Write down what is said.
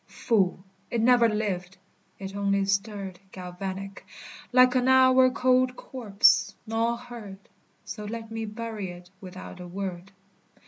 Fool! It never lived. It only stirred Galvanic, like an hour cold corpse. None heard: So let me bury it without a word.